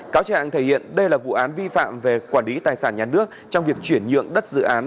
cáo trạng thể hiện đây là vụ án vi phạm về quản lý tài sản nhà nước trong việc chuyển nhượng đất dự án